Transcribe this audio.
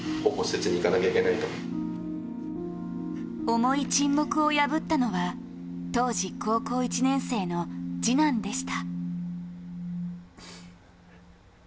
重い沈黙を破ったのは当時高校１年生の次男でした。